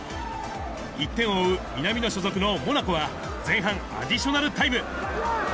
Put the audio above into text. １点を追う南野所属のモナコは、前半アディショナルタイム。